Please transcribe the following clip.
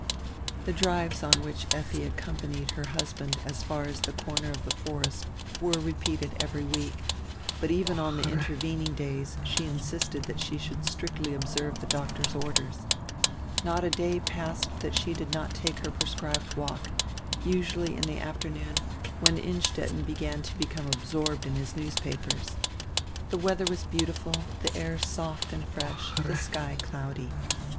The drives on which Effi accompanied her hushand as far as die corner of the forest were repeated every week, hut even on die intervening days she insisted diat she should stricdy ohserve die doctor's orders. Not a day passed diat she did not take her prescrihed walk, usually in die after noon, when Innstetten began to become absorbed in his newspapers. The weadier was beautiful, die air soft and fresh, die sky cloudy.